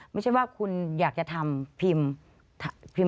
ไม่ใช่ว่าคุณอยากจะทำพิมพ์